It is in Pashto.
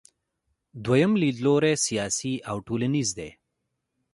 دویم لیدلوری سیاسي او ټولنیز دی.